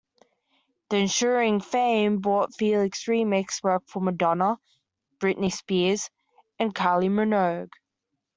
The ensuing fame brought Felix remix work for Madonna, Britney Spears and Kylie Minogue.